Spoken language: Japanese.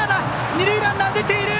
二塁ランナー、出ていた！